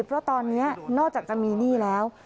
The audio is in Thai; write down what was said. เพราะตอนนี้นอกจากจะมีหนี้แล้ว